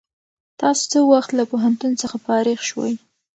تاسو څه وخت له پوهنتون څخه فارغ شوئ؟